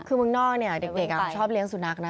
คือเมืองนอกเนี่ยเด็กชอบเลี้ยงสุนัขนะ